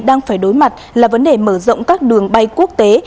đang phải đối mặt là vấn đề mở rộng các đường bay quốc tế